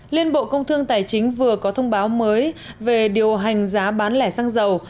liên bộ công thương tài chính vừa có thông báo mới về điều hành giá bán lẻ xăng dầu